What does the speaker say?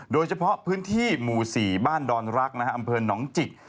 โดยเฉพาะพื้นที่หมู่๔บ้านดอนรักอำเภอหนองจิก